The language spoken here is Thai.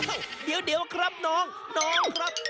อ้าวเดี๋ยวครับน้องครับ